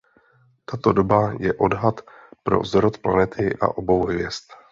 Tato doba je odhad pro zrod planety a obou hvězd.